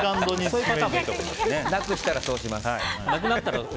なくしたらそうします。